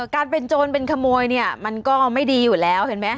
การเป็นโจรเป็นขโมยเนี่ยมันก็ไม่ดีอยู่แล้วเห็นไหม